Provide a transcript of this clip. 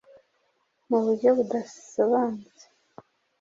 mu buryo budasobanutse